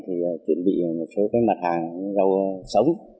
thì chuẩn bị một số cái mặt hàng rau sống